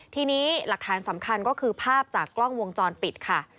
ทีนี้หลักฐานสำคัญก็คือภาพจากกล้องวงจรปิดค่ะ